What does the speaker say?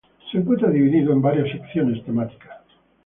Se encuentra dividido en varias secciones temáticas.